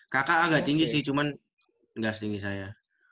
kakak agak tinggi sih cuma nggak setinggi saya